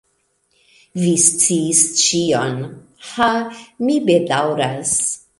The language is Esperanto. Vi sciis ĉion. Ha? Mi bedaŭras.